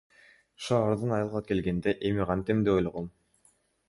Шаардан айылга келгенде эми кантем деп ойлогом.